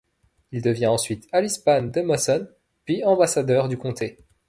Il devient ensuite alispán de Moson puis ambassadeur du comté.